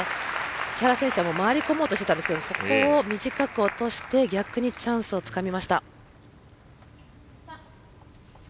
木原選手は回り込もうとしてたんですけどそこを短く落として逆にチャンスをつかみました。